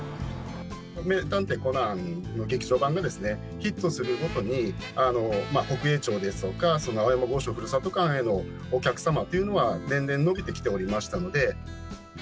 名探偵コナンの劇場版がですね、ヒットするごとに、北栄町ですとか、青山剛昌ふるさと館へのお客様というのは、年々伸びてきておりま